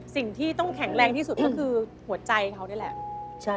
สิ่งที่ต้องแข็งแรงที่สุดก็คือหัวใจเขานี่แหละ